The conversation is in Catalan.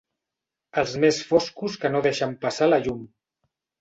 Els més foscos que no deixen passar la llum.